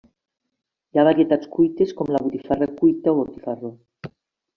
Hi ha varietats cuites com la botifarra cuita o botifarró.